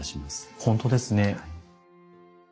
本当ですね。